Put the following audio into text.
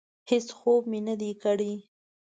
هېڅ خوب مې نه دی کړی.